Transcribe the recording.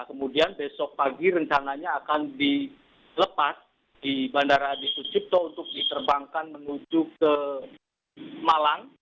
kemudian besok pagi rencananya akan dilepas di bandara adi sucipto untuk diterbangkan menuju ke malang